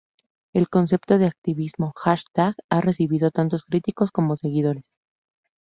El concepto de activismo "hashtag" ha recibido tanto críticos como seguidores.